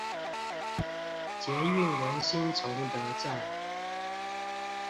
捷運文心崇德站